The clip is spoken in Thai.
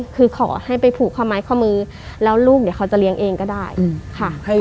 คือขอให้ไปผูกข้อไม้ข้อมือแล้วลูกเดี๋ยวเขาจะเลี้ยงเองก็ได้ค่ะ